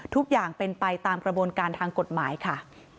ทุกอย่างเป็นไปตามกระบวนการทางกฎหมายค่ะ